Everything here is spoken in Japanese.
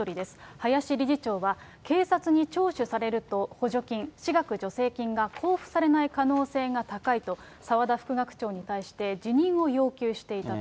林理事長は、警察に聴取されると、補助金、私学助成金が交付されない可能性が高いと、澤田副学長に対して辞任を要求していたと。